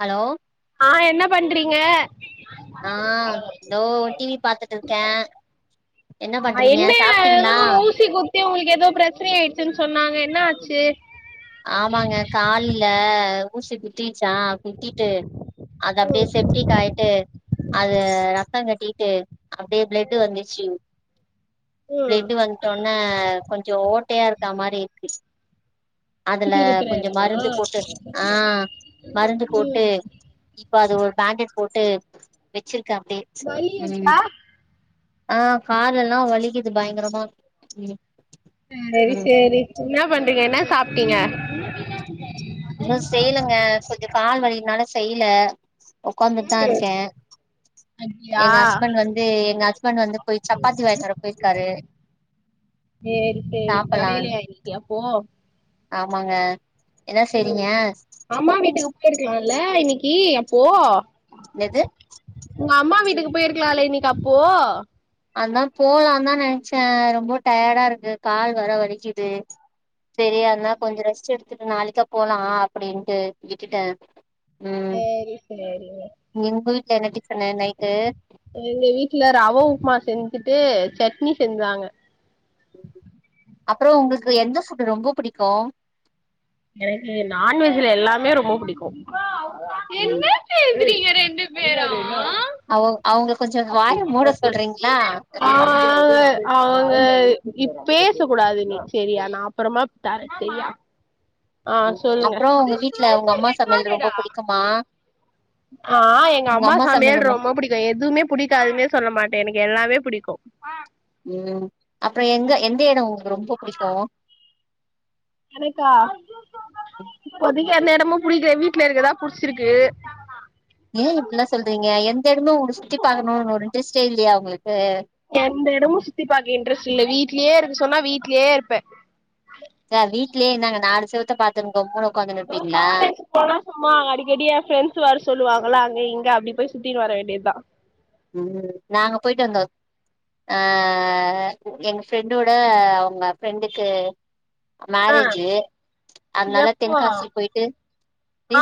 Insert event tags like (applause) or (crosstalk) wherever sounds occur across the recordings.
Hello ஆ என்ன பண்றி ங்க ஆ தோ டிவி பாத்துட்டுர்கே என்ன பண்றீங்க சாப்பிடீங்ளா த்தி உங்ளுக் ஏதோ பிரச்சினைஆயிடுசுன் சொன்னாங்க என்ன ஆச்சு ஆமாங்க கால்ல ஊசி குத்திச்சா குத்திட்டு அதுஅப்டியே செப் டிக் ஆய்ட்டு அது ரத்த கட்டிட்டு அப்டியே பிளட்வந்துச்சு ம் பிளட்டு வந்துட்டோனே கொஞ்சோ ஓட்டையாருக்கா மாரியிருக்கு அதுல ஊசி குத்துற கொஞ்சோ இடமா மருந்து போட்டு ஆ மருந்து போட்டு ம் இப்ப அது ஒரு பேக்கட் போட்டு வச்சிருக்கே அப்டியே வலி ம் இருக்கா ஆ காலெல்லா வலிக்குது பயங்கரமா சரி ம் சேரி என்ன பண்றீங்க என்ன சாப்பிட்டீங்க இன்னு செய்யலங்க கொஞ்சோ கால் வழினால செய்ல உட்காந்துட் தா ம் இருக்கே அப்டியா எங்க ஹஸ்பண்ட் வந் து எங்க ஹஸ்பண்ட் வந்து போய் சப்பாத்தி வாங்கின்னு வர போயிருக்காரு சேரி சேரி சாப்பலான்னு கடையிலயா இன்னிக்கி அப்போ ஆமாங்க என்ன ம் செய்ரிங்க அம்மா வீட்டுக்கு போயிருக்கலால இன்னிக்கி அப்போ ன்னது உங்க அம்மா வீட்டுக்கு போயிருக்கலால இன்னைக்கி அப்போ அத போலா தா நென்னச்சே ரொம்ப டயடாருக்கு கால் வேற வலிக்கிது சரியானா கொஞ்சோ ரெஸ்ட் எடுத்துட்டு நாளைக்கா போலா அப்டின்ட்டு விட்டுட்டே ம் சேரி சேரிங்க உங்க வீட்ல என்ன டிஃப்பனு நைட்டு எங்க வீட்டுல ரவ உப்மா செஞ்சுட்டு சட்னி செஞ்சாங்க அப்றோ உங்களுக்கு எந்த ஃபுட் ரொம்ப பிடிக்கு எனக்கு நான்வெஜ்ல எல்லாமே ரொம்ப பிடிக்கு ம் பேசுறீங்க ரெண்டு பேரு அவு அவுங்கள கொஞ்சோ வாய மூட சொல்றீங்ளா அவுங்க இப் பேச கூடாது நீ சேரியா நா அப்பறமா தரே சரியா ஆ ம் சொல்லுங்க அப்றோ மா ஆ எங்க அம்மா சமையல் ரொம்ப பிடிக்கு எதுவுமே புடிக்காதுனே சொல்ல மாட்டே எனக்கு எல்லாமே பிடிக்கு ம் அப்பறோ எங்க எந்த எடோ உங்ளுக்கு ரொம்ப பிடிக்கு எனக்கா இப்போதிக்கு எந்த இடமும் புடிக்ல வீட்ல இருக்குதா புடிச்சிருக்கு ஏ இப்பில்லா சொல்றீங்க எந்த இடமு சுத்தி பாக்கணுனு ஒரு இன்ட்ரெஸ்டே இல்லையா உங்களுக்கு எந்த இடமு சுத்தி பாக்க இன்ட்ரெஸ்ட் இல்ல வீட்லேயே இருக்கு சொன்னா வீட்லேயே இருப்பே ங வீட்லயே என்னாங்க நாளு செவத்த பாத்துன் கம்முனு உக்காந்துனுருப்பீங்ளா ப்போலா சும்மா அடிக்கடி ஏ ஃப்ரெண்ட்ஸ் வர சொல்லுவாங்களா அங்க இங்க அப்டி போய் சுத்தின்னு வர வேண்டியதா நாங்க போயிட்டு வந்தோ ஆ எங்க ஃப்ரெண்டோட அவுங்க ஃப்ரெண்டுக்கு ஆ மேரேஜு அதனால எப்போ தென்காசி போயிட்டு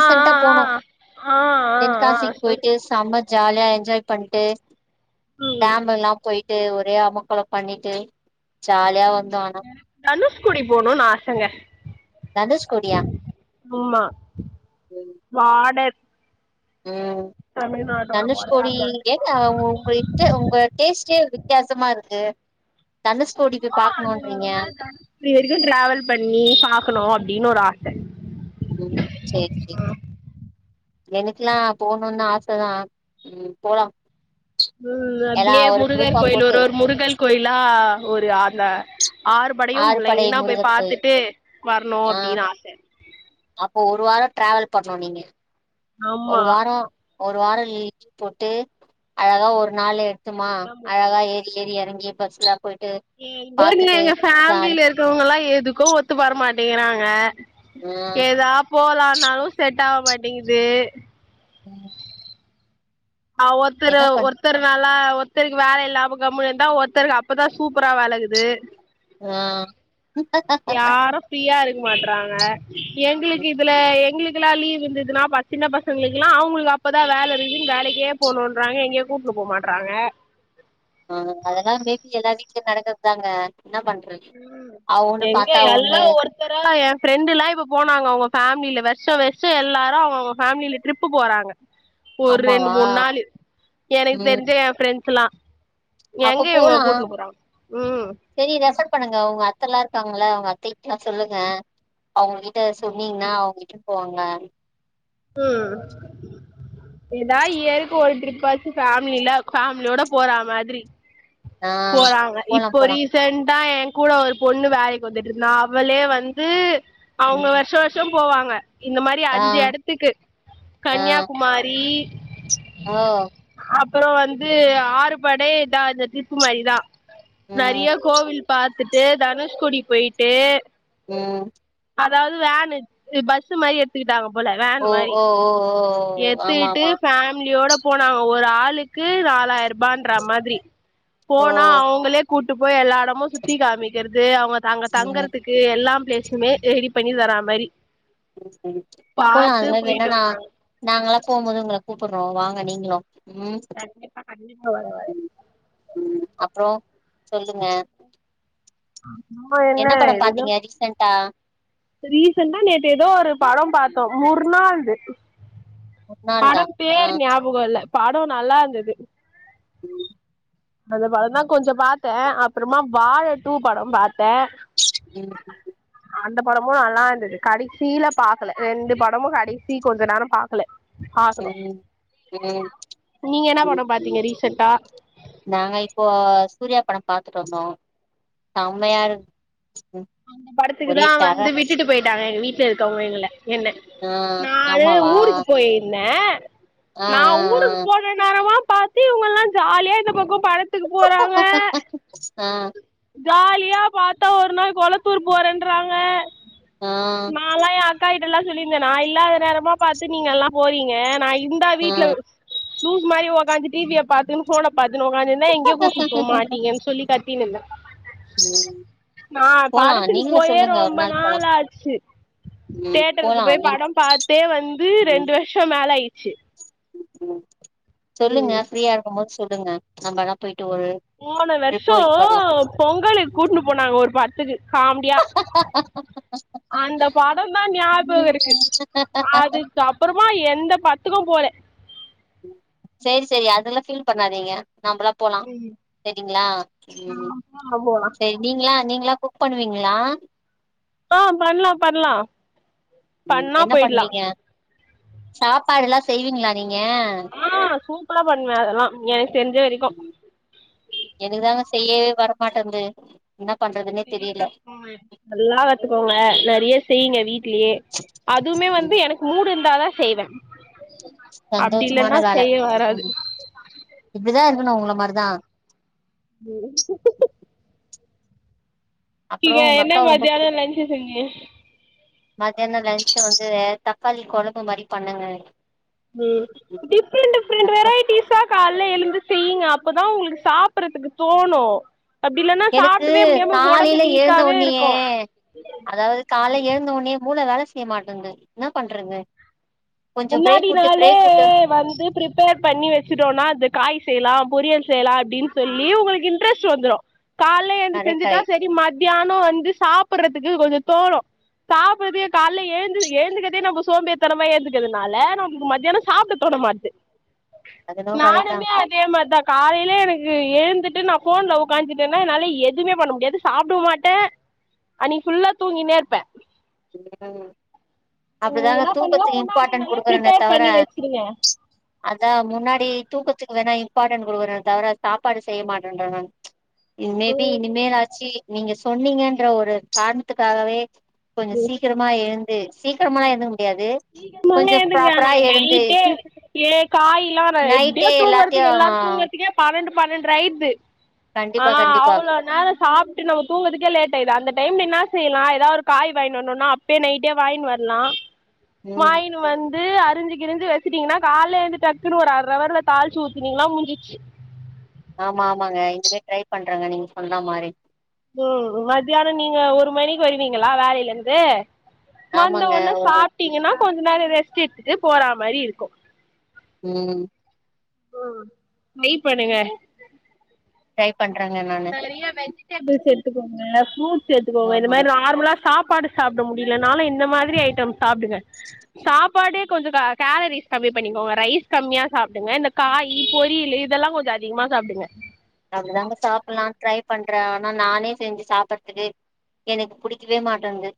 ஆ ஆ போனோ ஆ ஆ ஆ ஆ தென்காசிக்கு சொல் போயிட்டு செம ஜாலியா என்ஜாய் பண்ட்டு ம் டேம் எல்லாம் போயிட்டு ஒரே அமக்கலோ பண்ணிட்டு ஜாலியா வந்தோ ஆனா தனுஷ்கோடி போணுன்னு ஆசங்க தனுக்ஷ்கோடியா ஆமா பாடர் ம் பார்டர் தனுஷ்கோடி அந்த எடத்துக்கு ஏங்க போனு உங்க ட்டு உங்க டேஸ்டே வித்தியாசமாருக்கு (unintelligible) டிரவல் பண்ணி பாக்கணோ அப்டின்னு ஒரு ஆச ம் சேரி சேரி எனக்கெல்லா போணுன்னு ஆசதான் ம் போலாம் ம் அப்புடியே முருகர் குரூப்பா கோயில் ஒரு போட்டு ஒரு முருகல் கோயிலா ஒரு அந்த ஆறு படயும் ஆறுபடை லைனா போய் முருகர் கோயில் பாத்துட்டு வரணு ஆ அப்புடின்னு ஆச அப்போ ஒரு வாரோ ட்ராவல் பன்னோ நீங்க ஆமா ஒரு வாரோம் ஒரு வாரோ லீவ் போட்டு அழகா ஒரு நாள் எடுத்தமா இதா போனு. அழகா ஏ ஏறி எறங்கி பஸ்லா போயிட்டு ஏனுங்க பாத்துட்டு எங்க ஜாலி ஃபேமிலில இருக்கிறவங்கல்லா எதுக்கோ ஒத்து வர மாட்டீங்கிறாங்க ஆ ஏதா போலானாலு செட் ஆக மாட்டிங்குது ம் ஆ ஒத்தரு என்ன ஒரு பண் ஒருத்தர்னால ஒருத்தருக்கு வேல இல்லாம கம்முனு இருந்தா ஒருத்தருக்கு அப்பதான் சூப்பரா வேலருகுது ஆ ஃபீரியா இருக்க மாட்றாங்க எங்களுக்கு இதுல எங்களுக் குலா லீவ் இருந்துதுன்னா பசங் சின்ன பசங்களுக்குல்லாம் அவங்களுக்கு அப்பதா வேல இருக்குதுனு வேலைக்கு கே போகணுன்றாங்க எங்கே கூப்புடுனு போ மாட்றாங்க ஆ அதெல்லா மே பி எல்லா வீட்லயும் நடக்குறதுதாங்க என்ன பண்றது அவ ஒண்ணு பாத்தா ஒண்ணு ஒரு தடவ என் ஃப்ரெண்டுல்லா இப்போ போனாங்க அவங்கஃபேமில வருஷ வருஷ எல்லாரும் அவங்க அவங்க ஃபேமிலில ட்ரிப்பு போறாங்க ஒரு ரெண்டு ஆமாவா மூணு நாளு எனக்கு ம் தெரிஞ்சு என் ஃப்ரெண்ட்ஸ் எல்லா எங்க இவுங்க கூட்டுனு போறாங்க ம் சேரி ரெஃபர் பண்ணுங்க அவுங்க அத்த எல்லா இருக்காங்கள்ளே அவுங்க அத்தைகிட்டல்லா சொல்லுங்க அவுங்க கிட்ட சொன்னீங்கன்னா அவங்கிட்டுட் போவாங்க ம் ஏதாது இயர்க்கு ஒரு ட்ரிப்பாச்சு ஃபேமிலில ஃபேமிலியோட போற மாதிரி ஆ போறாங்க போலா இப்ப போலா ரீஸ் ரீசென்டா என் கூட ஒரு பொண்ணு வேலைக்கு வந்துட்டு இருந்தா அவளே வந்து அவுங்க ம் வருஷ வருஷ ஷோம் போவாங்க இந்த மாரி ஆ அஞ்சு இடத்துக்கு கன்னியாகுமாரி அ அப்பறோம் வந்து ஆறுபடை இதான் இந்த திப்பு மாரிதா இதா நறைய ம் கோவில் பாத்துட்டு தனுஷ்கொடி போயிட்டு ம் அதாது வேனு இது பஸ் மாரி எடுத் ஏத்துக்கிட்டாங்க போல வேன் ஓ மாரி ஓ ஓ ஓ ஆமா ஏத்துக்கிட்டு ஆமா ஃபேமிலியோட போனாங்க ஒரு ஆளுக்கு நாலாயிர ரூபான்ற மாரி ஓ போனா அவுங்களே கூட்டு போய் எல்லா எடமு சுத்தி காமிக்கிறது அவங்க அங்க ம் தங்கறதுக்கு எல்லாம் ப்லேசுமே பிளேஸுமே ரெடி பண்ணி தரா மாரி போலா பாத்து அது மாரி வேணா போயிட்டு ந வந்தாங்க நாங்கல்லா போமோது உங்கள கூப்புறோம் வாங்க நீங்களும் கண்டிப்பா கண்டிப்பா வர்ற வர ம் ம் அப்றோ சொல்லுங்க நம்ம என்ன படம் இதுதா பாத்தீங்க ரீசன்டா ரீசன்டா நேத்து எதோ ஒரு படோ பாத்தோ முர்னால்டு முன் நாள் தா படம் ஆ பேர் ஞாபகோ இல்ல படோ நல்லா இருந்துது ம் அந்த படந்தா கொஞ்சோ பாத்த அப்பறமா வாழ டூ படோ பாத்த ம் அந்த படமு நல்லா இருந்துது கடைசில பாக்கல ரெண்டு படமு கடைசி கொஞ்ச நேரோ பாக்கல பாக்கணு ம் ம் நீங்க என்னா ம் படம் ம் பாத்தீங்க ரீசன்டா நாங்க இப்போ சூர்யா படம் பாத்துட்டு வந்தோ செம்மையாயிரு படத்துக்குதா வந்து விட்டுட்டு போயிட்டாங்க எங்க வீட்ல இருக்கவங்க எங்கள என்ன ஆ நானு ஆமாவா ஊருக்கு போயிருந்தன் ஆ நா ஆ ஊருக்கு போற நேரமா பாத்து இவுங்கெல்லா ஜாலியா இந்த பக்கோ பட த்துக்கு போறாங்க ஆ ஜாலியா பாத்தா ஒரு நாள் கொளத்தூர் போறன்றாங்க ஆ ஆ நா எல்லா அக்காகிட்டல்லா சொல்லியிருந்த நா இல்லாத நேரமா பாத்து நீங்க எல்லா போறீங்க நா இந்தா ஆ வீட்ல லூஸ் மாரி உக்காந்து டி விய பாத்துன்னு ஃபோன பாத்துன்னு உக்காந்துந்தா எங்யு கூட்டு போ மாட்டீங்கன்னு சொல்லி க த்தின்னுந்த ம் நா போலா படத்துக்கு நீங்களு போயே சொல்லுங்க ஒரு ரொம்ப போலா நாள் ஆச்சு ம் தியேட்டருக்கு போலா போய் நீங் படம் பாத்தே வந்து ம் ரெண்டு வருஷம் மேல ஆயிச்சு ம் சொல்லுங்க ம் ஃப்ரீயா இருக்கும்போது சொல்லுங்க நம்மல்லா போயிட்டு ஒரு போன ட்ரிப் வருஷோ போயிட்டு வரலா ம் பொங்கலுக்கு கூட்டு போனாங்க ஒரு படத்துக்கு காம் பியா அந்த படந்தான் ஞபகோ இருக்கு அது அப்பறமா எந்த படத்துக்கு போல சேரி சேரி அதெல்லா ஃபீல் பண்ணாதீங்க நம்மல்லா போலா சேரிங்ளா ம் ஆ போலா சேரி நீங்ளா நீங்கல்லா குக் பண்ணுவீங்ளா ஆஹன பண்லா பண்லா ம் பண்ணா என்ன போயிட்லா பண்ணுவீங்க சாப்பாடு எல்லா செய்வீங்ளா நீங்க ஆ சூப்பரா பண்ணுவேன் அதெல்லா எனக்கு தெரிஞ்ச வரைக்கு எனக்குதாங்க செய்யவே வரமாட்டன்து என்ன பண்றதுன்னே தெரில நல்லா வாத்துக்கோங்க நெறைய செய்ங்க வீட்லயே அதுமே வந்து ம், என மூடு இருந்தாதான் செய்வன் அப்டி சந்தோஷமான இல்லன்னா வேல செய்ய வராது ம் இப்டிதா இருக்கணு உங்கள மாரிதா ம் அப்றோ நீங்க உங்க என்ன அக்காவ ரொம்ப மத்தியானோ புடிக்கு லன்ச்சு செஞ்சீங்க மத்தியானோ லன்சு வந்து தக்காளி கொழம்பு மாரி பண்ணுங்க ம் டிஃரெண்ட் டிஃரெண்ட் வெரைட்டீஸ்ஸா கால்ல எழுந்து செய்ங்க அப்பதா உங்களுக்கு சாப்பறதுக்கு தோணு அப்டி இல்லனா எனக்கு சாப்டவே முடியாம ஒடம்பு காலையில எழுந்த வீக்காவே இருக்கு ஒன்னயே அதாவது கால எழுந்த ஒன்னே மூள வேல செய்ய மாட்டன்து என்னா பண்றது கொஞ்சோ முன்னாடி பிரேக் விட்டு நாளே பிரேக் விட்டு வந்து பிரி பிரிப்பேர் பண்ணி வச்சுட்டோம்னா அது காய் செய்யலாம் பொரியல் செய்யலாம் அப்டின்னு சொல்லி உங்களுக்கு இன்ட்ரெஸ்ட் வந்துரும் காலே எந்து கரெக்ட் செஞ்சுட்டா கரெக்ட் செரி மத்யானம் வந்து சாப்டுறதுக்கு கொஞ்சோ தோணும் சாப்டுறதே காலே ஏந்து ஏந்துக்கதே நம்ம சோம்பேறிதனமா ஏந் (unintelligible) நமளுக்கு மத்யானம் சாப்ட தோனமாட்து அது என்னவோ கரெக்ட் தா நானுமே அதே மாரிதா காலையிலே எனக்கு ஏந்துட்டு நான் போன்ல ஓக்காந்துட்டேனா என்னால எதுவுமே பண்ண முடியாது சாப்டவு மாட்டேன் அன்னைக்கு ஃபுல்லா தூங்கினே இருப்பே (unintelligible) ம் அப்டிதாங்க என்ன பண்ணுங்க தூக்கத்துக்கு முன்னாடி இம்பார்ட்டன்ட் நாளே குடுக்குறனே ப்ரிப்பேர் தவிர பண்ணி வச்சிருங்க அதா முன்னாடி தூக்கத்துக்கு வேணா இம்பார்ட்டன் கொடுக்குறனே தவிர சாப்பாடு செய்ய மாட்டேன்றான் மேபி இனிமேலாச்சு நீங்க சொன்னீங்கன்ற ஒரு காரணத்துக்காகவே கொஞ்சம் சீக்கிரமா எழுந்து சீக்கிரமாலா எழுந்துக்க முடியாது கொஞ்சொ எதுக்கு வேணா ப்ராப்பரா எழுந்து நைட்டே ஏ காய்லாம் ந எப்டியோ நைட்டே எல்லாத்தையு தூங்கறதுக்கு எல்லாரு தூங்குறதுக்கே பன்னெண்டு பன்னெண்டுர ஆயிது ஆ கண்டிப்பா கண்டிப்பா அவ்ளோ நேரம் சாப்ப நம்ம தூங்கதுக்கே லேட் ஆய்து அந்த டைம்ல என்ன செய்யலா ஏதாவது காய் வாங்கின்னு வரும்னா அப்டியே நைட்டே வாங்கினு வரலா ம் வாங்கின்னு வந்து அரிஞ்சு கி்ரிஞ்சு வச்சிட்டீங்கன்னா காலே எழுந்து டக்குன்னு ஒரு அரை அவர்ல தாழிச்சு ஊத்தினிங்கன்னா முஞ்சுச்சு ஆமா ஆமாங்க இங் (inaudible) யே ட்ரை பண்றங்க நீங்க சொன்னா மாரி ம் மத்தியானோ நீங்க ஒரு மணிக்கு வருவீங்களா வேலைலருந்து ஆமாங்க வந்தவொன்னே ஒரு மட் சாப்ட்டீங்கன்னா கொஞ்ச நேரோ ரெஸ்ட்டு எடுத்துட்டு போறா மாரி இருக்கு ம் ம் நெய் பண்ணுங்க ட்ரை பண்றங்க நானு நெறைய வெஜிடேபிள்ஸ் எத்துக்கோங்க ஃப்ரூட்ஸ் எத்துக்கோங்க இந்த ஆமாங்க மாரி நார்மலா சாப்பாடு சாப்ட முடிலேனாலு இந்த மாதிரி ஐட்டம் சாப்டுங்க சாப் சப்பாடே கொஞ்சோ கேலரிஸ் கம்மி பண்ணிக்கோங்க ரைஸ் கம்மியா சாப்டுங்க இந்த காய்யி பொரியல்லு இதெல்லா கொஞ்சோ அத் அதிகமா சாப்டுங்க அப்டிதாங்க சாப்டுல்லான் ட்ரை பண்ற ஆனா நானே செஞ்சு சாப்டுறதுக்கு எனக்கு புடிக்கவே மாட்டேன்து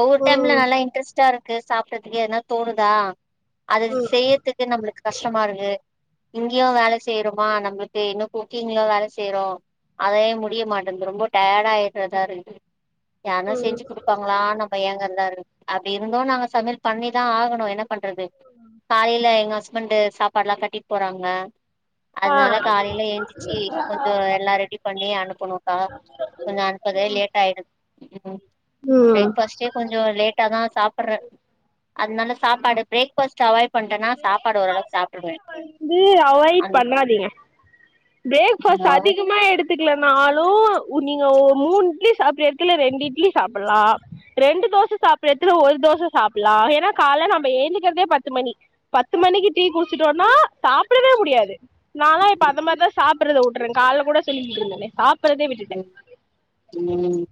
ஒவ்வொரு டைம்ல நல்லா இன்ட்ரெஸ்டா இருக்கு சாப்றதுக்கு ஏதுன்னா தோணுதா அது செய்றதுக்கு நம்ளுக்கு கஷ்டமா இருக்கு இங்கியோ வேல செய்றோமா நம்ளுக்கு என்ன கு குக்கிங்லா வேல செய்றோ அதே முடிய மாட்டேங்து ரொம்ப டயர்டா ஆய்றதா இருக்கு யார்னா செஞ்சு குடுப்பாங்ளா நம்ப ஏங்கர்தா இருக் அப்டி இருந்தோ நாங்க சமையல் பண்ணிதா ஆகனு என்ன பண்றது காலைல எங்க வன்டு சாப்பாடுல்லா கட்டிட்டு போறாங்க ஆ அதனால காலைல எய்ந்திச்சி கொ (unintelligible) எல்லா ரெடி பண்ணி அனுப்புனோக்கா கொஞ்சோ அனுப்ரதே லேட் ஆய்டு (inaudible) ம் பிரேக் ஃபாஸ்ட்டே கொஞ்சோ லேட்டா தா சாப்ர்றே அதனால சாப்பாடு பிரேக் ஃபாஸ் சோ அவாய்ட் பண்டேன்னா சாப்பாடு ஓரளவுக் சாப்டுவ அந்த (unintelligible) பிரேக் ஃபாஸ்ட் அதிகமா எடுத் ஒத்துக்குல நாளும் நீங்க ஒ மூணு இட்லி சாப்ற எடத்துல ரெண்டு இட்லி சாப்ல்லா ரெண்டு தோச சாப்ற எடத்துல ஒரு தோச சாப்ல்லா ஏன்னா காலைல நம்ப ஏந்திக்கற்தே பத்து மணி பத்து மணிக்கு டீ குடிச்சிடோம்னா சாப்டவே முடியாது நா லா இப்ப அந்த மாரி தா சாப் சாப்றத உட்ற கால்ல கூட சொல்லிகிட் இருந்தனே சாப்றதே விட்டுட்டே ம்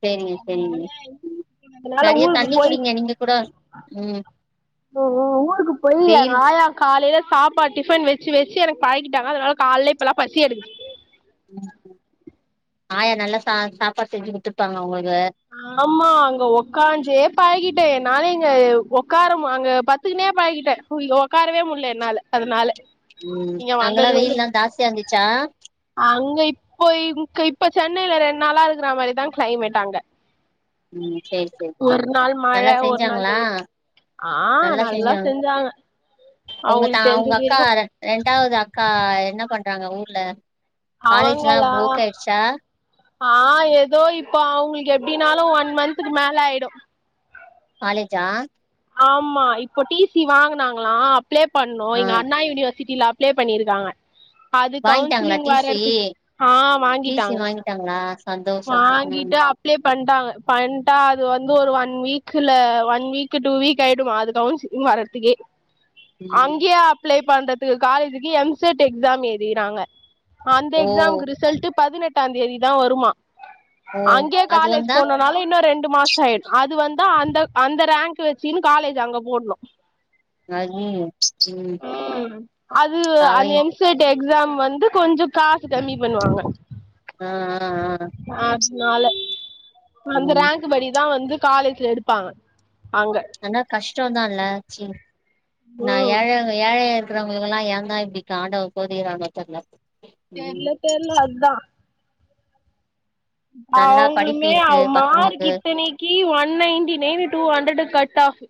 செரிங்க செரிங்க அதனால நெறைய ஊருக்கு தண்ணி போய் குடிங்க நீங்க கூட ம் ஊ ஊ ஊருக்கு போய் எங்க வெயில் ஆயா காலைல சாப்பாட் டிஃபன் வெச்சு வெச்சு எனக் பழக்கிட்டாங்க அதனால கால்லே இப்பெல்லா பசி எடுக்குது ம் ம் ஆயா நல்லா சா சாப்பாட் செஞ்சு குத்ருப்பாங்க உங்ளுக்கே ஆமா அங்க ஒக்காஞ்சே பழகிட்ட நானே இங்க ஒக்காரம் அங்க பத்துன்னே பழகிட்ட இங்கே ஒக்காரவே முடில என்னால அதனால ம் இங்க அங்கெல்லா வந்ததுல இருந்து வெயில்லா தாஸ்தியா இருந்துச்சா அங்க இப்போ இங் இப்ப சென்னைல ரெண் நாளா இருக்கற மாரிதா க்ளைமெட் அங்க ம் சேரி சேரி ஒரு நாள் மழ நல்லா ஒரு நாள் செஞ்சாங்களா வெயில் ஆ நல்லா செஞ்சாங்க உங்க த அவங்களுக்கு உங்க தெரிஞ்சது அக்கா வரைக்கு ரெண் ரெண்டாவது அக்கா என்ன பண்றாங்க ஊர்ல காலேஜ்லா அவங்களா இப் ஓக்கே ஆய்ச்சா ஆ ஏதோ இப்போ அவங்ளுக்கு எப்டினாலோ ஒன் மந்த்க்கு மேல ஆய்டோ காலேஜா ஆமா இப்போ டி சி வாங்கனாங்ளா அப்ளே பண்ணோ ஆ எங்க அண்ணா யூனிவர்சிட்டில அப்ளே பண்ணிருக்காங்க அது வாங்கிட்டாங்களா கவுன்ஸ்லிங் டி சி வரேற்க்கு ஆ டி சி வாங்கிட்டாங்க வாங்கிட்டாங்களா சந்தோஷோ ம் வாங்கிட்டு அப் ப்ளே பண்ட்டாங்க பண்ட்டா அது வந்து ஒரு ஒன் வீக்குல ஒன் வீக் டூ வீக் ஆய்டுமா அது கவுன்ஸ் வரற்துக்கே ம் அங்கியே அப்ளே பண்றதுக்கு காலேஜுக்கு எம்செட் எக்ஸாம் எய்திகிறாங்க அந்த ஓ எக்ஸாமுக்கு ரிசல்ட் பதினெட்டாந் தேதி தா வருமா ஓ அங்கே அது காலேஜ் வந்தா போனோ னாலு இன்னு ரெண்டு மாசோ ஆய்டு அது வந்தா அந்த அந்த ரேங்க் போட்டு வச்சிகுன் காலேஜ் அங்க போட்ணு ம் அது அவ அந்த எம்ஸ் செட் எக்ஸாம் வந்து கொஞ்சோ காசு கம்மி பண்ணுவாங்க ஆஹ்ஹ் அத்னால அந்த ம் ரேங்க் படிதா வந்து காலேஜ்ல எடுப்பாங்க அங்க ஆனா கஷ்டோந்தான்ல்ல ச நா ம் ஏழங்க ஏழையா இருக்கிறவங்களுக்குல்லா ஏ தா இப்டி காண்டோவ கோதிகுரானோ தெர்ல ம் தெர்ல தெர்ல அத்தா நல்லா படிப்பு அவ்ங்களுமே அவ இருக்கு மா இருக்கு பசங்களுக்கு இத்தனை கி one ninety nine two hundred cut of